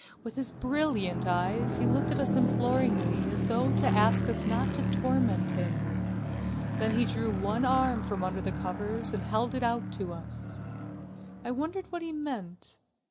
With his brilliant eyes he looked at us imploringly as though to ask us not to torment him. Then he drew one arm from under the covers and held it out to us. I wondered what he meant.